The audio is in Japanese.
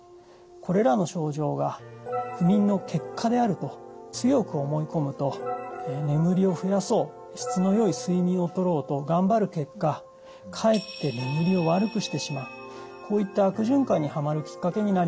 これらの症状が不眠の結果であると強く思い込むと眠りを増やそう質の良い睡眠をとろうと頑張る結果かえって眠りを悪くしてしまうこういった悪循環にはまるきっかけになります。